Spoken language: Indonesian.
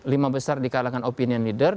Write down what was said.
lima besar di kalangan opinion leader